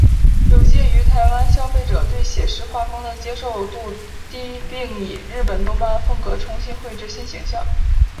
有鉴于台湾消费者对写实画风的接受度低并以日本动漫风格重新绘制新形象。